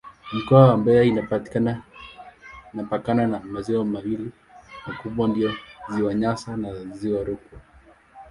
Mkoa wa Mbeya inapakana na maziwa mawili makubwa ndiyo Ziwa Nyasa na Ziwa Rukwa.